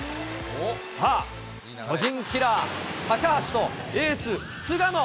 さあ、巨人キラー、高橋とエース菅野。